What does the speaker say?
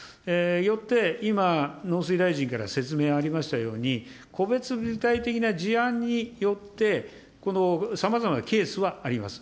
よって今、農水大臣から説明ありましたように、個別具体的な事案によって、このさまざまなケースはあります。